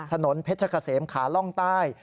ถนนเพชรกะเสมขาล่องใต้